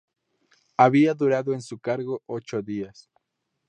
Había durado en su cargo ocho días.